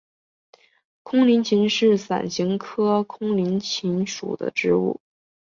空棱芹是伞形科空棱芹属的植物。